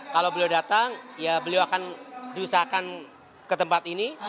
kalau beliau datang ya beliau akan diusahakan ke tempat ini